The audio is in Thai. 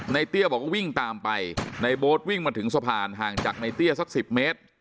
เตี้ยบอกว่าวิ่งตามไปในโบ๊ทวิ่งมาถึงสะพานห่างจากในเตี้ยสัก๑๐เมตร